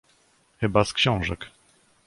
"Chyba z książek?"